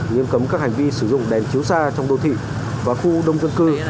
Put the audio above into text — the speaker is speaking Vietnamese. nghiêm cấm các hành vi sử dụng đèn chiếu xa trong đô thị và khu đông dân cư